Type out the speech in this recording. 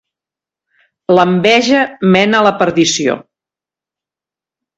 L'enveja mena a la perdició.